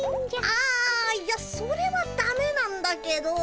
あいやそれはだめなんだけど。